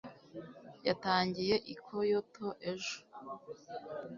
yatangiye i kyoto ejo